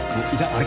あれ？